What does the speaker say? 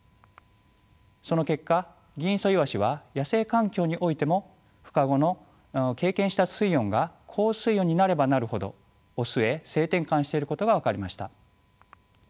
その結果ギンイソイワシは野生環境においてもふ化後の経験した水温が高水温になればなるほどオスへ性転換していることが分かりました。